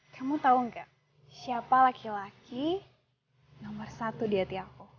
kamu tahu nggak siapa laki laki nomor satu di hati aku